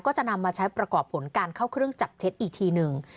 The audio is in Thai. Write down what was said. จะนำมาใช้ประกอบผลการเข้าเครื่องจับเท็จอีกทีหนึ่ง